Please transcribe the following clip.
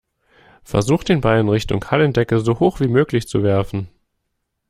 Versucht den Ball in Richtung Hallendecke so hoch wie möglich zu werfen.